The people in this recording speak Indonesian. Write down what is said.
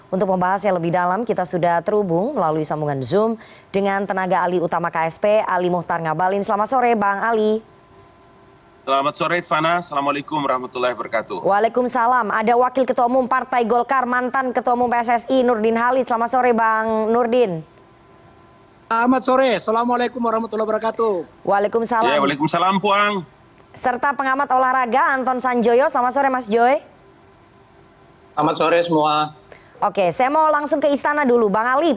untuk membahas yang lebih dalam kita sudah terhubung melalui sambungan zoom dengan tenaga ali utama ksp ali muhtar ngabalin selamat sore bang ali